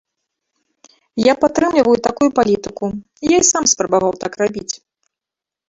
Я падтрымліваю такую палітыку, я і сам спрабаваў так рабіць.